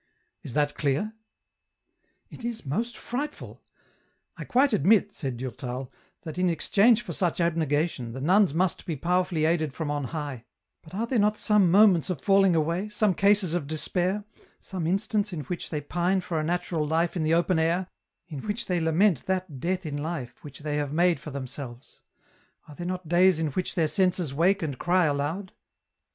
Is that clear ?"" It is most frightful ! I quite admit," said Durtal, " that in exchange for such abnegation, the nuns must be power fvilly aided from on high, but are there not some moments of falling away, some cases of despair, some instants in which they pine for a natural life in the open air, in which they lament that death in life which they have made for themselves ; are there not days in which their senses wake and cry aloud